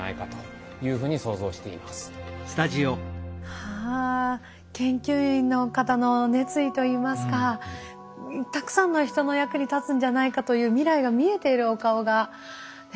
はあ研究員の方の熱意といいますかたくさんの人の役に立つんじゃないかという未来が見えているお顔がねワクワクしましたね。